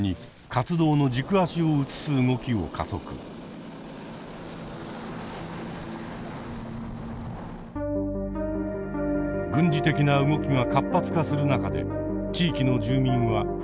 軍事的な動きが活発化する中で地域の住民は不安を感じています。